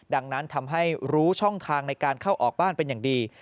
ดังนั้นทำให้รู้ช่องทางในการเข้าออกบ้านเป็นอย่างดี